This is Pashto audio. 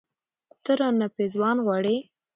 ، ته رانه پېزوان غواړې